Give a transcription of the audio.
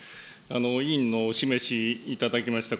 委員のお示しいただきました